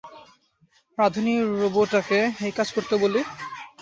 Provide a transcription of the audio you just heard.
রাঁধুনী রোবটকে এই কাজটা করতে বলি?